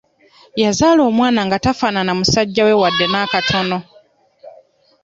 Yazaala omwana nga tafaanana musajja we yadde n'akatono.